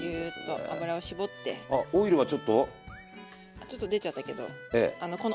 あちょっと出ちゃったけどあの